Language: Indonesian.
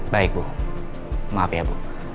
baik bu maaf ya bu